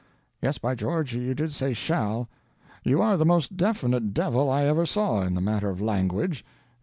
"Yes, by George, you did say 'shall'! You are the most definite devil I ever saw, in the matter of language.